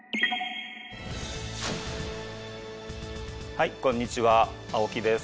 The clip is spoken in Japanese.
はいこんにちは青木です。